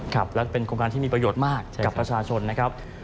ครับและเป็นโครงการที่มีประโยชน์มากกับประชาชนนะครับ